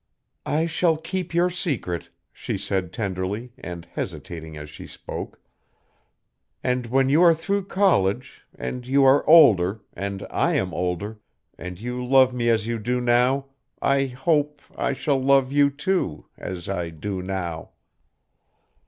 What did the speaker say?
'I shall keep your secret,' she said tenderly, and hesitating as she spoke, 'and when you are through college and you are older and I am older and you love me as you do now I hope I shall love you, too as I do now.'